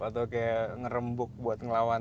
atau kayak ngerembuk buat ngelawan